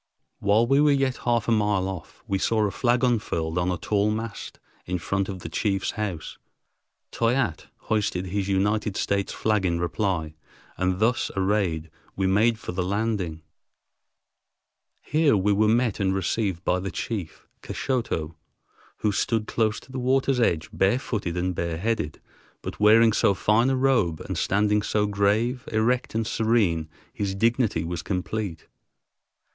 While we were yet half a mile off, we saw a flag unfurled on a tall mast in front of the chief's house. Toyatte hoisted his United States flag in reply, and thus arrayed we made for the landing. Here we were met and received by the chief, Kashoto, who stood close to the water's edge, barefooted and bareheaded, but wearing so fine a robe and standing so grave, erect, and serene, his dignity was complete.